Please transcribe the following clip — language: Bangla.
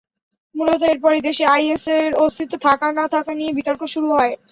মূলত এরপরই দেশে আইএসের অস্তিত্ব থাকা না-থাকা নিয়ে বিতর্ক শুরু হয়।